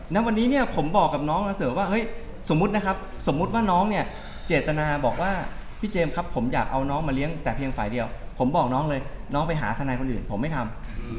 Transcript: ณวันนี้เนี่ยผมบอกกับน้องมาเสริมว่าเฮ้ยสมมุตินะครับสมมุติว่าน้องเนี่ยเจตนาบอกว่าพี่เจมส์ครับผมอยากเอาน้องมาเลี้ยงแต่เพียงฝ่ายเดียวผมบอกน้องเลยน้องไปหาทนายคนอื่นผมไม่ทำ